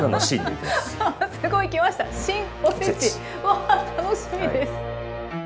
わあ楽しみです。